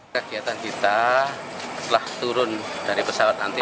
kegiatan kita setelah turun dari pesawat nanti